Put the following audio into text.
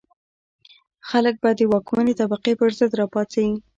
خلک به د واکمنې طبقې پر ضد را پاڅي.